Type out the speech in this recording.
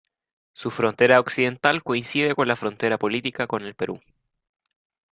Su frontera occidental coincide con la frontera política con el Perú.